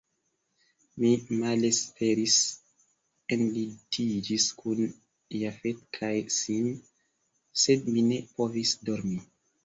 Mi malesperis, enlitiĝis kun Jafet kaj Sim, sed mi ne povis dormi.